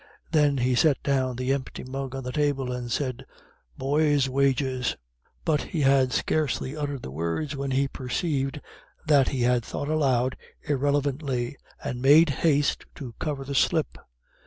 Then he set down the empty mug on the table, and said, "Boys' wages." But he had scarcely uttered the words when he perceived that he had thought aloud irrelevantly, and made haste to cover the slip.